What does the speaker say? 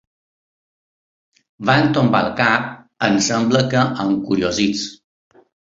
Van tombar el cap, em sembla que encuriosits.